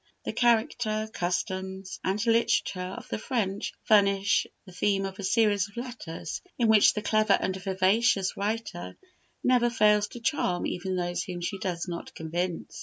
The character, customs, and literature of the French furnish the theme of a series of letters, in which the clever and vivacious writer never fails to charm even those whom she does not convince.